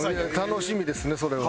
楽しみですねそれは。